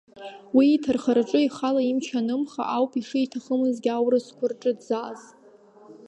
Уи иҭархараҿы ихала имч анымха ауп ишиҭахымзгьы аурысқәа рҿы дзааз.